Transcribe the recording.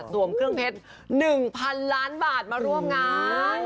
วมเครื่องเพชร๑๐๐๐ล้านบาทมาร่วมงาน